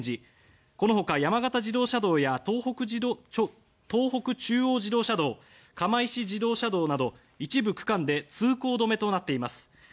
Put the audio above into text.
このほか山形自動車道や東北中央自動車道釜石自動車道など一部区間で通行止めとなっています。